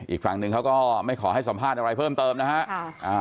อีกฝั่งหนึ่งเขาก็ไม่ขอให้สัมภาษณ์อะไรเพิ่มเติมนะฮะ